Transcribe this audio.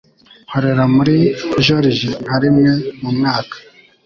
Nkorera muri joriji nka rimwe mu mwaka.